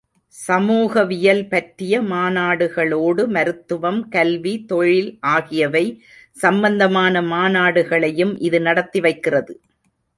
சமூகவியல் பற்றிய மாநாடுகளோடு, மருத்துவம், கல்வி, தொழில் ஆகியவை சம்பந்தமான மாநாடுகளையும் இது நடத்தி வைக்கிறது.